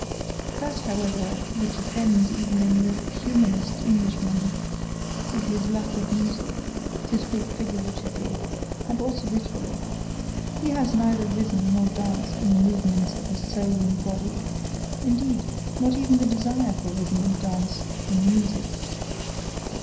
That, however, which offends even in the humanest Englishman is his lack of music, to speak figuratively (and also literally): he has neither rhythm nor dance in the movements of his soul and body; indeed, not even the desire for rhythm and dance, for "music."